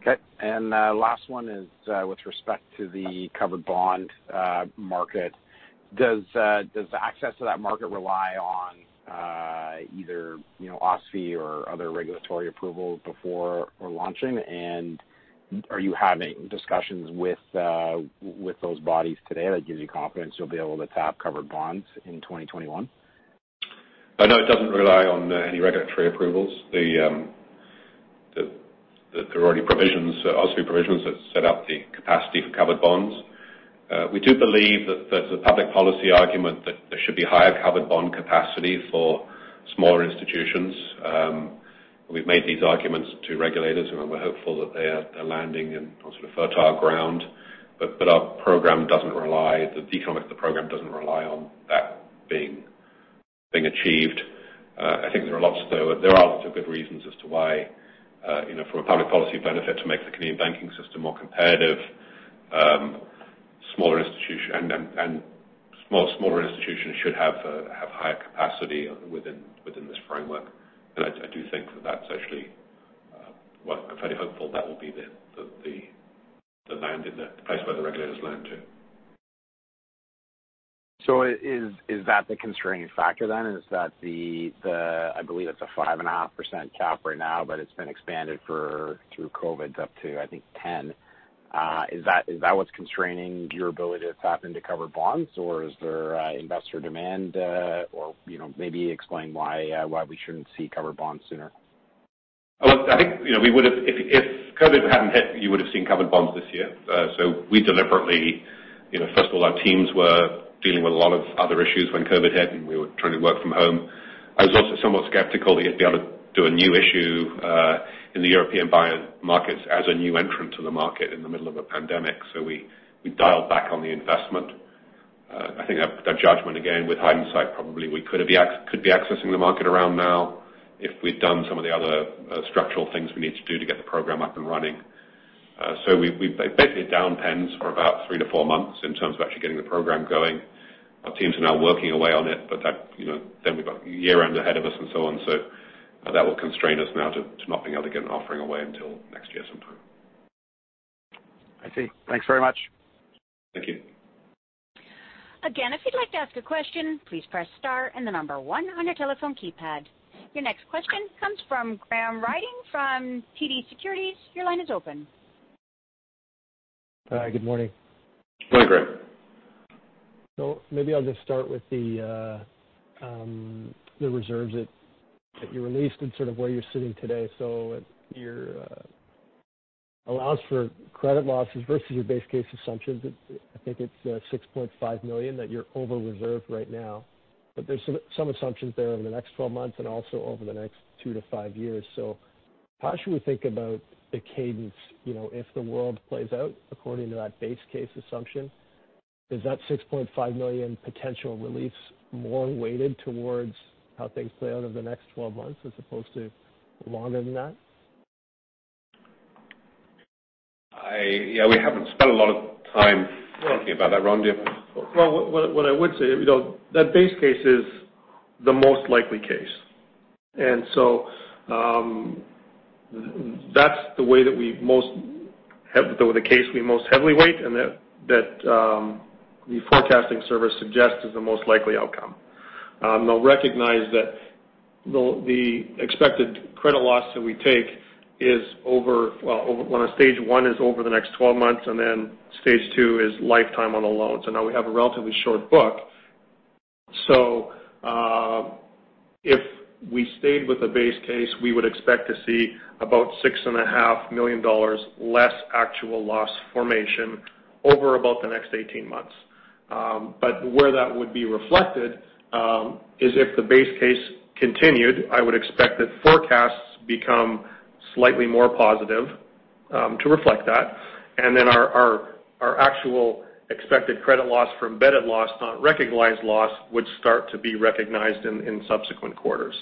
Speaker 10: Okay. And last one is with respect to the covered bond market. Does access to that market rely on either OSFI or other regulatory approval before launching? Are you having discussions with those bodies today that give you confidence you'll be able to tap covered bonds in 2021?
Speaker 2: No, it doesn't rely on any regulatory approvals. There are already OSFI provisions that set up the capacity for covered bonds. We do believe that there's a public policy argument that there should be higher covered bond capacity for smaller institutions. We've made these arguments to regulators, and we're hopeful that they're landing on sort of fertile ground. But the economic program doesn't rely on that being achieved. I think there are lots of good reasons as to why, from a public policy benefit, to make the Canadian banking system more competitive. Smaller institutions should have higher capacity within this framework. I do think that that's actually, well, I'm fairly hopeful that will be the landing, the place where the regulators land too.
Speaker 10: So is that the constraining factor then? Is that the—I believe it's a 5.5% cap right now, but it's been expanded through COVID up to, I think, 10. Is that what's constraining your ability to tap into covered bonds, or is there investor demand? Or maybe explain why we shouldn't see covered bonds sooner?
Speaker 2: I think we would have—if COVID hadn't hit, you would have seen covered bonds this year. So we deliberately, first of all, our teams were dealing with a lot of other issues when COVID hit, and we were trying to work from home. I was also somewhat skeptical that you'd be able to do a new issue in the European buyer markets as a new entrant to the market in the middle of a pandemic. So we dialed back on the investment. I think that judgment, again, with hindsight, probably we could be accessing the market around now if we'd done some of the other structural things we need to do to get the program up and running. So we've been down pens for about three to four months in terms of actually getting the program going. Our teams are now working away on it, but then we've got a year-end ahead of us and so on. So that will constrain us now to not being able to get an offering away until next year sometime.
Speaker 10: I see. Thanks very much.
Speaker 2: Thank you.
Speaker 1: Again, if you'd like to ask a question, please press star and the number one on your telephone keypad. Your next question comes from Graham Ryding from TD Securities. Your line is open.
Speaker 11: Hi. Good morning.
Speaker 2: Good morning, Graham.
Speaker 11: Maybe I'll just start with the reserves that you released and sort of where you're sitting today. It allows for credit losses versus your base case assumptions. I think it's 6.5 million that you're over-reserved right now. But there's some assumptions there over the next 12 months and also over the next two to five years. How should we think about the cadence if the world plays out according to that base case assumption? Is that 6.5 million potential release more weighted towards how things play out over the next 12 months as opposed to longer than that?
Speaker 2: Yeah. We haven't spent a lot of time thinking about that, Ron. Do you have any thoughts?
Speaker 6: What I would say, that base case is the most likely case. And so that's the way that we most, the case we most heavily weight and that the forecasting service suggests is the most likely outcome. Now, recognize that the expected credit loss that we take is over, well, Stage 1 is over the next 12 months, and then Stage 2 is lifetime on the loan. So now we have a relatively short book. So if we stayed with the base case, we would expect to see about 6.5 million dollars less actual loss formation over about the next 18 months. But where that would be reflected is if the base case continued, I would expect that forecasts become slightly more positive to reflect that. And then our actual expected credit loss for embedded loss, not recognized loss, would start to be recognized in subsequent quarters.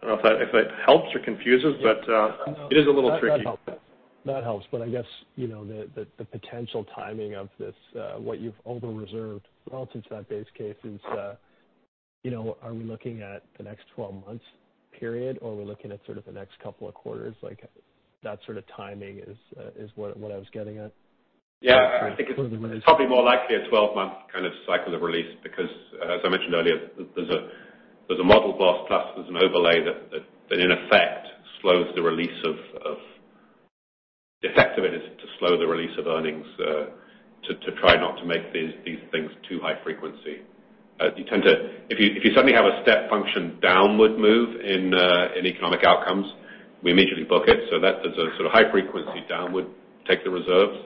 Speaker 6: I don't know if that helps or confuses, but it is a little tricky.
Speaker 11: That helps. But I guess the potential timing of what you've over-reserved relative to that base case is, are we looking at the next 12 months period, or are we looking at sort of the next couple of quarters? That sort of timing is what I was getting at.
Speaker 2: Yeah. I think it's probably more likely a 12-month kind of cycle of release because, as I mentioned earlier, there's a model plus there's an overlay that, in effect, slows the release of, the effect of it is to slow the release of earnings to try not to make these things too high frequency. If you suddenly have a step function downward move in economic outcomes, we immediately book it. So there's a sort of high frequency downward take the reserves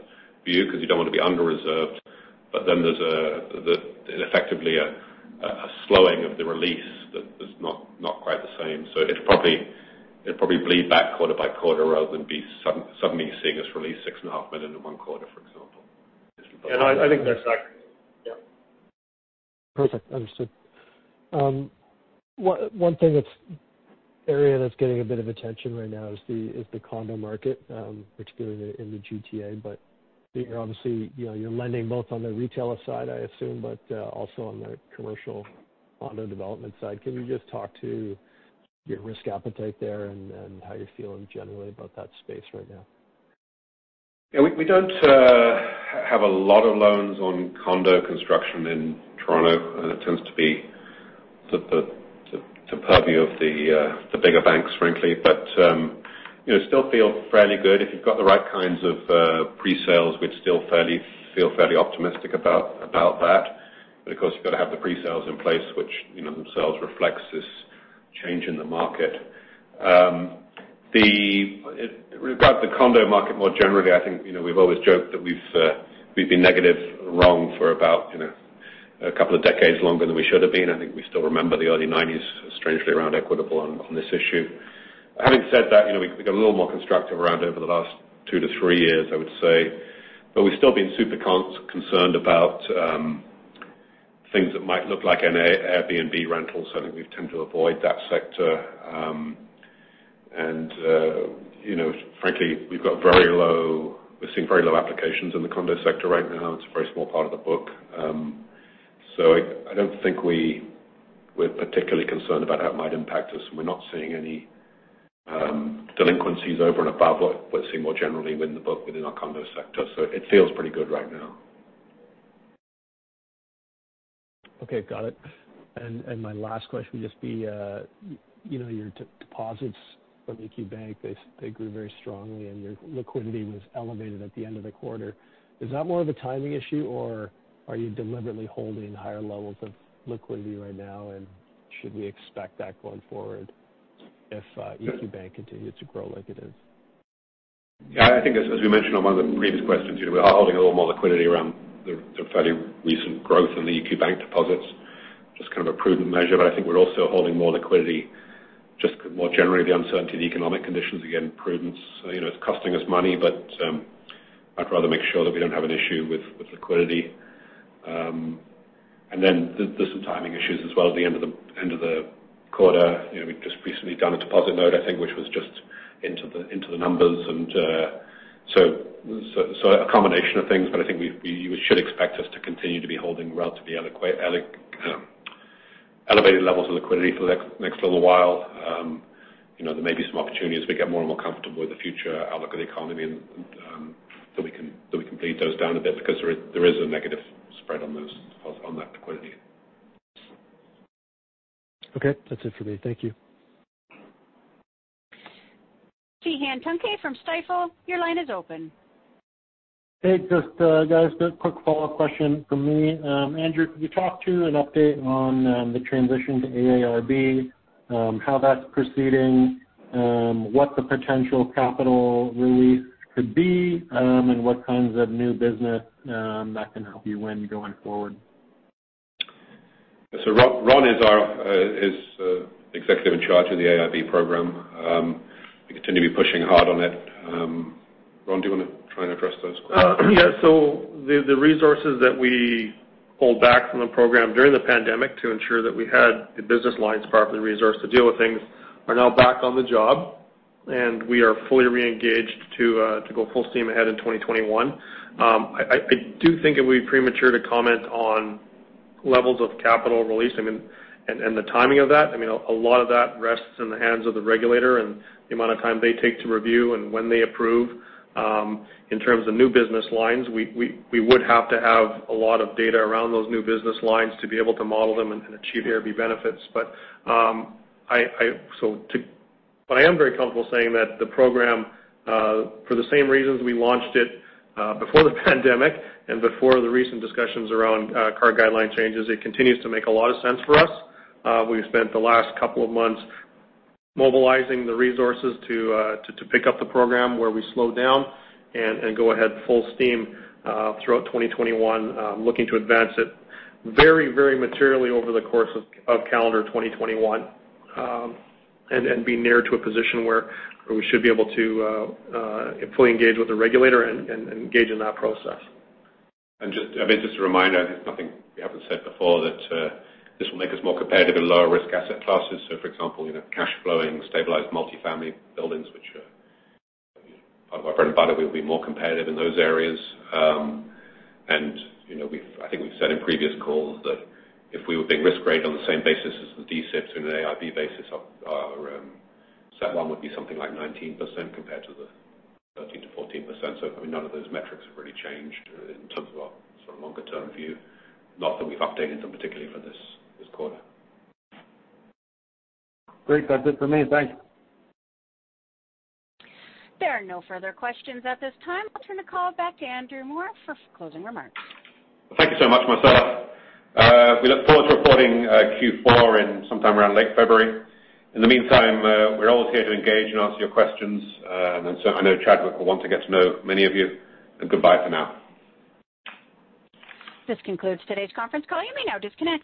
Speaker 2: view because you don't want to be under-reserved. But then there's effectively a slowing of the release that's not quite the same. So it'll probably bleed back quarter by quarter rather than be suddenly seeing us release 6.5 million in one quarter, for example.
Speaker 6: And I think that's accurate. Yeah.
Speaker 11: Perfect. Understood. One thing that's an area that's getting a bit of attention right now is the condo market, particularly in the GTA. But obviously, you're lending both on the retailer side, I assume, but also on the commercial condo development side. Can you just talk to your risk appetite there and how you're feeling generally about that space right now?
Speaker 2: Yeah. We don't have a lot of loans on condo construction in Toronto. That tends to be the purview of the bigger banks, frankly. But still feel fairly good. If you've got the right kinds of pre-sales, we'd still feel fairly optimistic about that. But of course, you've got to have the pre-sales in place, which themselves reflects this change in the market. Regarding the condo market more generally, I think we've always joked that we've been negative wrong for about a couple of decades longer than we should have been. I think we still remember the early 1990s strangely around Equitable on this issue. Having said that, we've got a little more constructive around over the last two to three years, I would say. But we've still been super concerned about things that might look like Airbnb rentals. I think we've tended to avoid that sector. And frankly, we've got very low, we're seeing very low applications in the condo sector right now. It's a very small part of the book. So I don't think we're particularly concerned about how it might impact us. We're not seeing any delinquencies over and above what we're seeing more generally within the book within our condo sector. So it feels pretty good right now.
Speaker 11: Okay. Got it. And my last question would just be your deposits from EQ Bank, they grew very strongly, and your liquidity was elevated at the end of the quarter. Is that more of a timing issue, or are you deliberately holding higher levels of liquidity right now, and should we expect that going forward if EQ Bank continues to grow like it is?
Speaker 2: Yeah. I think, as we mentioned on one of the previous questions, we're holding a little more liquidity around the fairly recent growth in the EQ Bank deposits, just kind of a prudent measure. But I think we're also holding more liquidity just more generally the uncertainty of the economic conditions. Again, prudence. It's costing us money, but I'd rather make sure that we don't have an issue with liquidity. And then there's some timing issues as well at the end of the quarter. We've just recently done a deposit note, I think, which was just into the numbers. And so a combination of things. But I think we should expect us to continue to be holding relatively elevated levels of liquidity for the next little while. There may be some opportunities as we get more and more comfortable with the future outlook of the economy that we can bleed those down a bit because there is a negative spread on that liquidity.
Speaker 11: Okay. That's it for me. Thank you.
Speaker 1: Cihan Tuncay from Stifel. Your line is open.
Speaker 7: Hey, just guys, quick follow-up question from me. Andrew, could you talk to an update on the transition to AIRB, how that's proceeding, what the potential capital release could be, and what kinds of new business that can help you win going forward?
Speaker 2: So Ron is our executive in charge of the AIRB program. We continue to be pushing hard on it. Ron, do you want to try and address those questions?
Speaker 6: Yeah. So the resources that we pulled back from the program during the pandemic to ensure that we had the business lines properly resourced to deal with things are now back on the job, and we are fully reengaged to go full steam ahead in 2021. I do think it would be premature to comment on levels of capital release and the timing of that. I mean, a lot of that rests in the hands of the regulator and the amount of time they take to review and when they approve. In terms of new business lines, we would have to have a lot of data around those new business lines to be able to model them and achieve AIRB benefits. But I am very comfortable saying that the program, for the same reasons we launched it before the pandemic and before the recent discussions around CAR guideline changes. It continues to make a lot of sense for us. We've spent the last couple of months mobilizing the resources to pick up the program where we slowed down and go ahead full steam throughout 2021, looking to advance it very, very materially over the course of calendar 2021 and be near to a position where we should be able to fully engage with the regulator and engage in that process,
Speaker 2: And just a reminder, I think it's nothing we haven't said before that this will make us more competitive in lower risk asset classes. So, for example, cash flowing, stabilized multifamily buildings, which part of our bread and butter, we'll be more competitive in those areas, and I think we've said in previous calls that if we were being risk graded on the same basis as the D-SIBs and the AIRB basis, our CET1 would be something like 19% compared to the 13%-14%. So, I mean, none of those metrics have really changed in terms of our sort of longer-term view. Not that we've updated them particularly for this quarter.
Speaker 7: Great. That's it for me. Thanks.
Speaker 1: There are no further questions at this time. I'll turn the call back to Andrew Moor for closing remarks.
Speaker 2: Thank you so much, Marcella. We look forward to reporting Q4 in sometime around late February. In the meantime, we're always here to engage and answer your questions. And so I know Chad will want to get to know many of you. And goodbye for now. This concludes today's conference call. You may now disconnect.